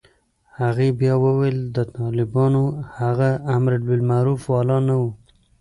هغې بيا وويل د طالبانو هغه امربالمعروف والا نه و.